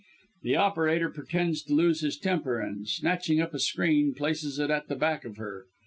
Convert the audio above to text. The operator pretends to lose his temper, and snatching up a screen places it at the back of her.